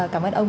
cảm ơn ông